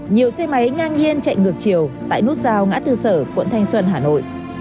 nhiều xe máy ngang nhiên chạy ngược chiều tại nút giao ngã tư sở quận thanh xuân hà nội